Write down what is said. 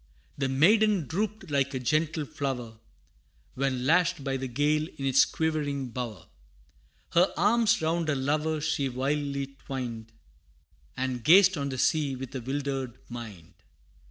The maiden drooped like a gentle flower, When lashed by the gale in its quivering bower: Her arms round her lover she wildly twined, And gazed on the sea with a wildered mind.